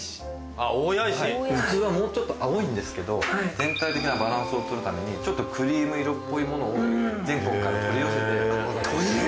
普通はもうちょっと青いんですけど全体的なバランスを取るためにちょっとクリーム色っぽいものを全国から取り寄せて。